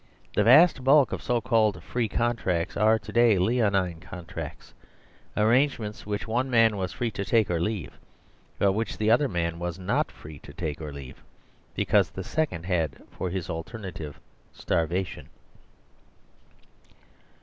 The vast bulk of so called " free " contracts are to day leonine contracts: arrangements which one man was free to take or to leave, but which theother man was not free to take or to leave, because the second had for his alternative starvation.